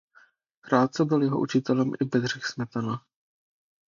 Krátce byl jeho učitelem i Bedřich Smetana.